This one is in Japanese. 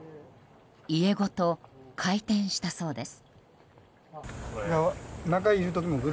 家ごと回転したそうです。